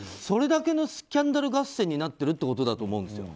それだけのスキャンダル合戦になってるってことだと思います。